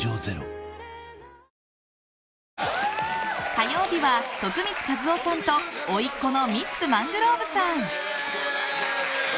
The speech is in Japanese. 火曜日は徳光和夫さんとおいっ子のミッツ・マングローブさん。